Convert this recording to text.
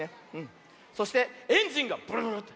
そしてエンジンがブルブルって。